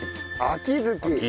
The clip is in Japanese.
あきづき。